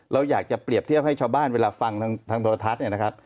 เราอยากจะเปรียบเทียบให้ชาวบ้านเวลาฟังทางโทรทัศน์เนี่ยนะครับ